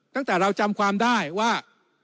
ตั้งแต่เราจำความได้ว่า